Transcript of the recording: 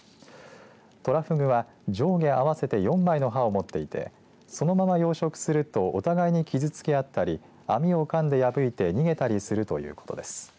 トラフグは上下あわせて４枚の歯を持っていてそのまま養殖するとお互いに傷つけあったり網をかんで破いて逃げたりするということです。